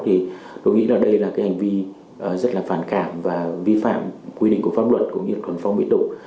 thì tôi nghĩ là đây là hành vi rất là phản cảm và vi phạm quy định của pháp luật của nguyễn thuần phong mỹ tục